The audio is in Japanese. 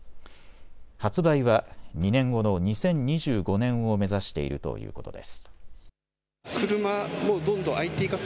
発売は２年後の２０２５年を目指しているということです。